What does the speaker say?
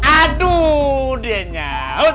aduh dia nyaut